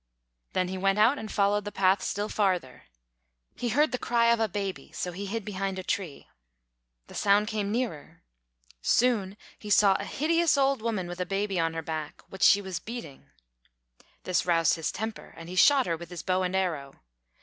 Then he went out and followed the path still farther. He heard the cry of a baby, so he hid behind a tree. The sound came nearer. Soon he saw a hideous old woman with a baby on her back, which she was beating. This roused his temper, and he shot her with his bow and arrow.